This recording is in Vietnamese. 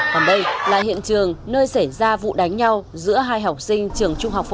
còn đây là hiện trường nơi xảy ra vụ đánh nhau giữa hai học sinh trường trung học phổ